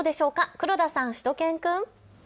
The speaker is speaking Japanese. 黒田さん、しゅと犬くん。